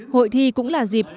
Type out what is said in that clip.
hội thi cũng là dịp